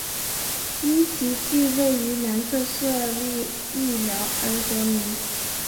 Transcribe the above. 因其地位于南侧设立隘寮而得名。